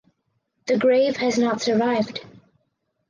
The grave has not survived.